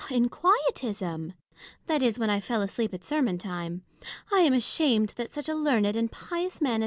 In quietism ; that is, when I fell asleep at sermon time. I ain ashamed that such a learned and pious man as M.